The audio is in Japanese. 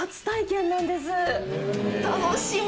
楽しみ！